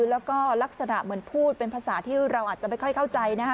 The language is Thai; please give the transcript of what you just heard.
แล้วก็ลักษณะเหมือนพูดเป็นภาษาที่เราอาจจะไม่ค่อยเข้าใจนะคะ